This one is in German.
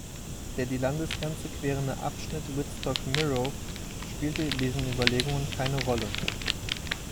Der die Landesgrenze querende Abschnitt Wittstock–Mirow spielte in diesen Überlegungen keine Rolle.